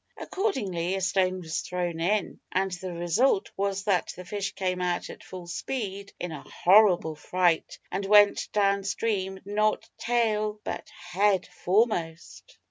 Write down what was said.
Accordingly a stone was thrown in, and the result was that the fish came out at full speed in a horrible fright, and went down stream, not tail but head foremost.